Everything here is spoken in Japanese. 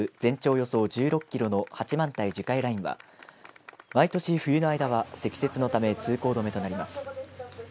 およそ１６キロの八幡平樹海ラインは毎年、冬の間は積雪のため通行止めとなります。